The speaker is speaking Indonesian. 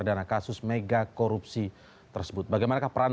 dianggap sebagai kekuatan yang sangat penting